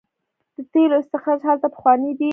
د تیلو استخراج هلته پخوانی دی.